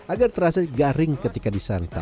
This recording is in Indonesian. agar terasa garing ketika disantap